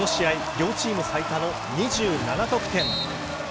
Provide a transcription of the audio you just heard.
両チーム最多の２７得点。